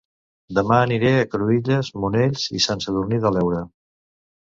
Dema aniré a Cruïlles, Monells i Sant Sadurní de l'Heura